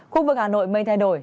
khu vực hà nội mây thay đổi